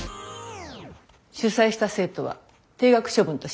主宰した生徒は停学処分としました。